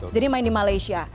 jadi main di malaysia